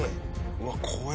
うわっ怖え。